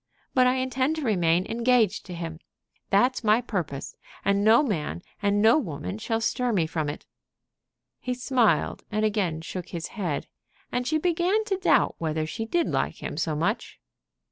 But I intend to remain engaged to him. That's my purpose, and no man and no woman shall stir me from it." He smiled, and again shook his head, and she began to doubt whether she did like him so much.